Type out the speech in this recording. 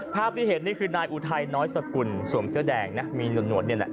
ภาพที่เห็นนี่คือนายอุทัยน้อยสกุลสวมเสื้อแดงนะมีหนวดนี่แหละ